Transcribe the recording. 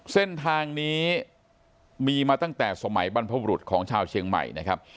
เส้นทางนี้มีมาตั้งแต่สมัยบรรพบรุษของชาวเชียงใหม่นะครับ